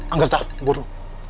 angga zah buru